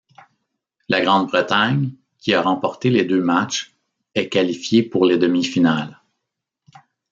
La Grande-Bretagne, qui a remporté les deux matchs, est qualifiée pour les demi-finales.